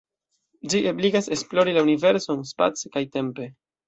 Ĝi ebligas esplori la universon, space kaj tempe.